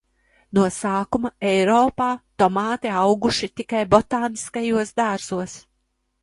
No sākuma Eiropā tomāti auguši tikai botāniskajos dārzos.